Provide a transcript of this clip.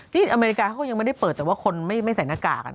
อเมริกาเขาก็ยังไม่ได้เปิดแต่ว่าคนไม่ใส่หน้ากาก